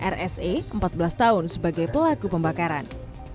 rse empat belas tahun sebagai pelaku pembakaran